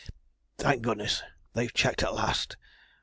Thank goodness! they've checked at last!'